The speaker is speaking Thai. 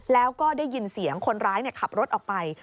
แล้วก็ได้ยินเสียงคนร้ายขับรถออกไป